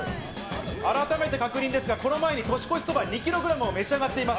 改めて確認ですが、この前に年越しそば２キログラムを召し上がっています。